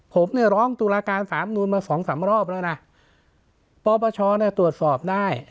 ผมเนี่ยร้องตุลาการสามนูลมาสองสามรอบแล้วนะปปชเนี่ยตรวจสอบได้